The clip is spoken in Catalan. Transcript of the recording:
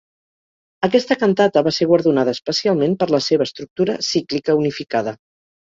Aquesta cantata va ser guardonada especialment per la seva estructura cíclica unificada.